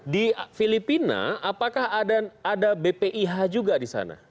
di filipina apakah ada bpih juga di sana